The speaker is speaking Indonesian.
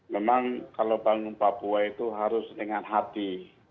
memang kalau bangun papua itu harus dengan hati